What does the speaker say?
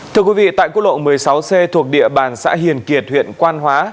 thưa quý vị tại quốc lộ một mươi sáu c thuộc địa bàn xã hiền kiệt huyện quan hóa